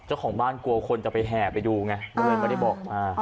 เจ้าของบ้านกลัวคนจะไปแห่ไปดูไงก็เลยไม่ได้บอกมา